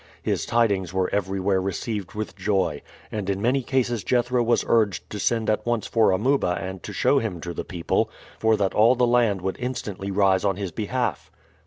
His tidings were everywhere received with joy, and in many cases Jethro was urged to send at once for Amuba and to show him to the people, for that all the land would instantly rise on his behalf.